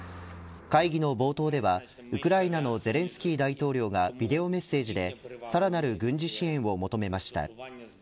会議の冒頭ではウクライナのゼレンスキー大統領がビデオメッセージでさらなる軍事支援を求めました。